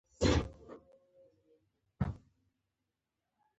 زما خور په خپل کار کې بریالۍ ده